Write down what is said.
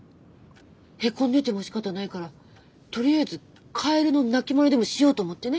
へこんでてもしかたないからとりあえずカエルの鳴きまねでもしようと思ってね。